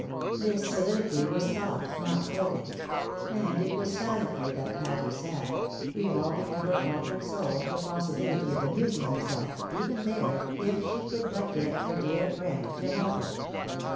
This soliloquy was thought, not spoken ; and it was silently that Patty sat Kevolviug in her altered soul the possibility of amusing herself, even there, if she could but PATTY BECOMES SERIOUS. 211 get at her dear friend to help her.